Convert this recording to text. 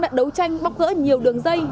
đã đấu tranh bóc gỡ nhiều đường dây